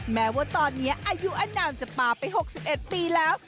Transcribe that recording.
แม้ว่าตอนนี้อายุอนามจะป่าไป๖๑ปีแล้ว